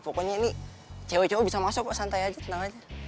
pokoknya ini cewek cewek bisa masuk kok santai aja tenang aja